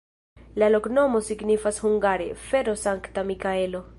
La loknomo signifas hungare: fero-Sankta Mikaelo.